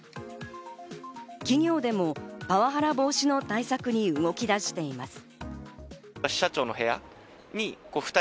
企業でもパワハラ防止の対策に動き出しています。